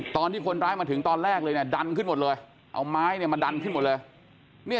ตอนที่คนร้ายมาถึงตอนแรกเลยเนี่ยดันขึ้นหมดเลยเอาไม้เนี่ยมาดันขึ้นหมดเลย